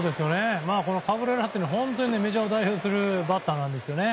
カブレラって本当にメジャーを代表するバッターなんですね。